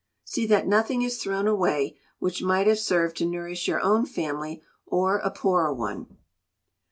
See that nothing is thrown away which might have served to nourish your own family or a poorer one.